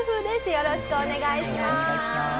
よろしくお願いします。